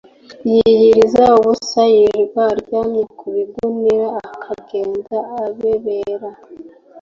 yiyiriza ubusa yirirwa aryamye ku bigunira, akagenda abebera